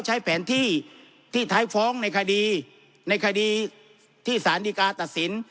ใช้แผนที่ที่ท้ายฟ้องในคดีในคดีที่สารดีกาตัดสิน